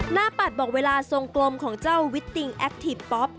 ปัดบอกเวลาทรงกลมของเจ้าวิตติงแอคทีฟป๊อป